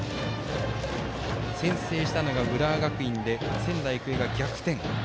先制したのが浦和学院で仙台育英が逆転。